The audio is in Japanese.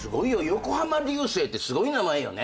横浜流星ってすごい名前よね。